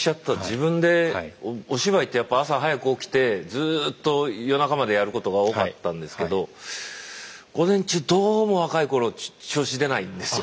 自分でお芝居ってやっぱ朝早く起きてずっと夜中までやることが多かったんですけど午前中どうも若い頃調子出ないんですよ。